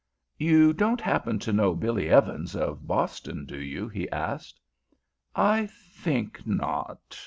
"You don't happen to know Billy Evans, of Boston, do you?" he asked. "I think not.